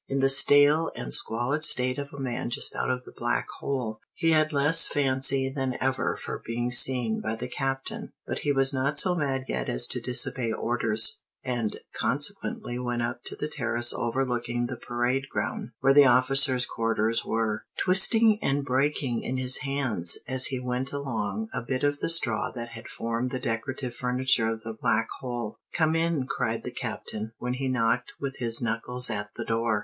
In the stale and squalid state of a man just out of the Black hole, he had less fancy than ever for being seen by the Captain; but he was not so mad yet as to disobey orders, and consequently went up to the terrace overlooking the parade ground, where the officers' quarters were; twisting and breaking in his hands, as he went along, a bit of the straw that had formed the decorative furniture of the Black hole. "Come in!" cried the Captain, when he knocked with his knuckles at the door.